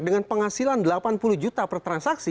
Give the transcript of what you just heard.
dengan penghasilan delapan puluh juta per transaksi